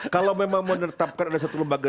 kalau memang menetapkan ada satu lembaga